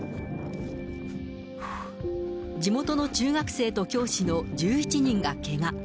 地元の中学生と教師の１１人がけが。